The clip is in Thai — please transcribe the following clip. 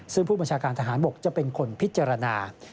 ซึ่งผู้บัญชาการทหารบกจะเป็นคนพิจารณา